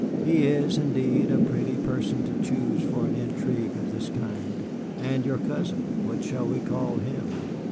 He is, indeed, a pretty person to choose for an intrigue of this kind. And your cousin, what shall we call him?"